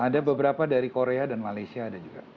ada beberapa dari korea dan malaysia ada juga